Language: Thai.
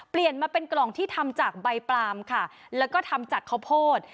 เปลี่ยนมาเป็นกล่องที่ทำจากใบปลามค่ะแล้วก็ทำจากข้าวโพด